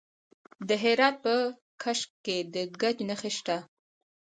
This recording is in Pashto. د هرات په کشک کې د ګچ نښې شته.